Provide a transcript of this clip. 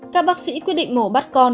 các bác sĩ quyết định mổ bắt con